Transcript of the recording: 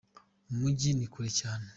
Mu munjyi nikure cyane.